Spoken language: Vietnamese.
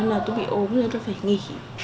nên là tôi bị ốm nên tôi phải nghỉ